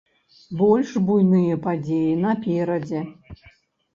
Больш буйныя падзеі наперадзе.